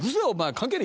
関係ねえ！」